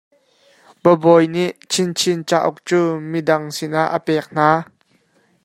Bawibawi nih Chinchin cauk cu midang sinah a pek hna.